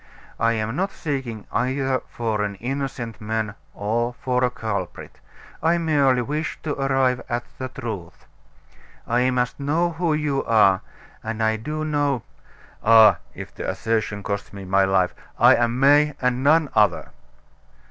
I am not seeking either for an innocent man or for a culprit; I merely wish to arrive at the truth. I must know who you are and I do know " "Ah! if the assertion costs me my life I'm May and none other."